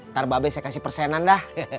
ntar babek saya kasih persenan dah